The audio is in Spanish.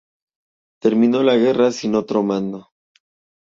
Terminó la guerra sin otro mando.